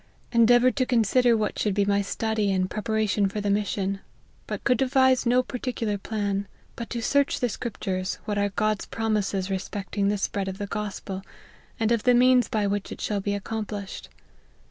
Endeavoured to consider what should be my study and preparation for the mis sion ; but could devise no particular plan, but to search the Scriptures, what are God's promises respecting the spread of the gospel, and of the means by which it shall be accomplished.